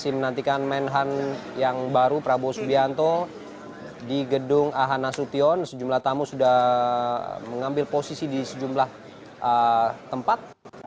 saya menantikan menhan yang baru prabowo subianto di gedung ahanasution sejumlah tamu sudah mengambil posisi di sejumlah tempat